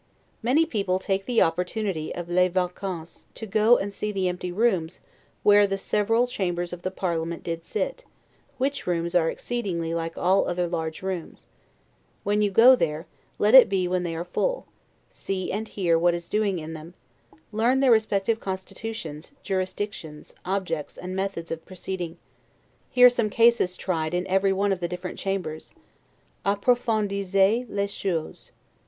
Many people take the opportunity of 'les vacances', to go and see the empty rooms where the several chambers of the parliament did sit; which rooms are exceedingly like all other large rooms; when you go there, let it be when they are full; see and hear what is doing in them; learn their respective constitutions, jurisdictions, objects, and methods of proceeding; hear some causes tried in every one of the different chambers; 'Approfondissez les choses'.